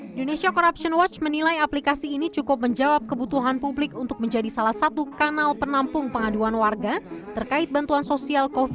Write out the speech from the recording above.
indonesia corruption watch menilai aplikasi ini cukup menjawab kebutuhan publik untuk menjadi salah satu kanal penampung pengaduan warga terkait bantuan sosial covid sembilan belas